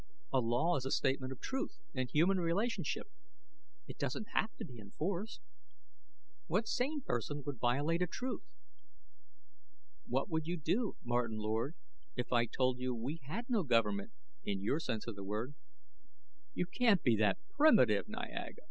A law is a statement of a truth in human relationship; it doesn't have to be enforced. What sane person would violate a truth? What would you do, Martin Lord, if I told you we had no government, in your sense of the word?" "You can't be that primitive, Niaga!"